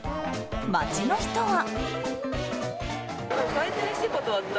街の人は。